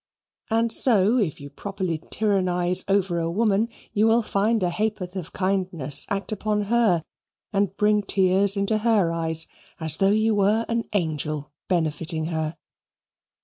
And so, if you properly tyrannize over a woman, you will find a ha'p'orth of kindness act upon her and bring tears into her eyes, as though you were an angel benefiting her.